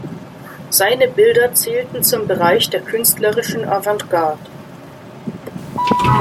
Seine Bilder zählten zum Bereich der künstlerischen Avantgarde.